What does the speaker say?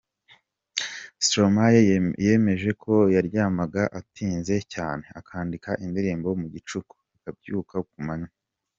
Stromae yemeje ko yaryamaga atinze cyane, akandika indirimbo mu gicuku, akabyuka ku manywa.